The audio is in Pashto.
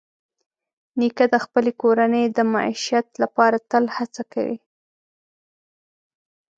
نیکه د خپلې کورنۍ د معیشت لپاره تل هڅه کوي.